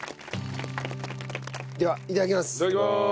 ではいただきます。